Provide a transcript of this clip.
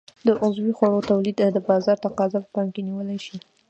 د عضوي خوړو تولید د بازار تقاضا په پام کې نیول شي.